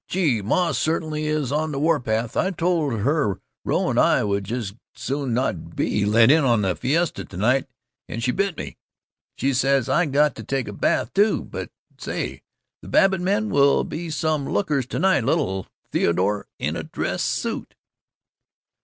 Gee, Ma certainly is on the warpath! I told her Rone and I would jus' soon not be let in on the fiesta to night, and she bit me. She says I got to take a bath, too. But, say, the Babbitt men will be some lookers to night! Little Theodore in a dress suit!"